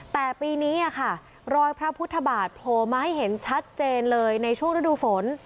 แต่ปีนี้ค่ะรอยพระพุทธบาทโผล่มาให้เห็นชัดเจนเลยในช่วงฤดูฝน